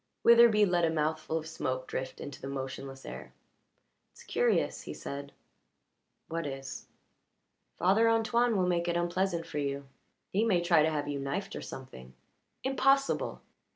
Witherbee let a mouthful of smoke drift into the motionless air. "It's curious," he said. "What is?" "Father Antoine will make it unpleasant for you. He may try to have you knifed, or something." "Impossible!"